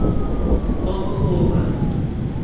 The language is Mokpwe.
Ò kòòwà.